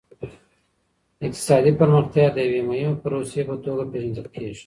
اقتصادي پرمختيا د يوې مهمې پروسې په توګه پېژندل کېږي.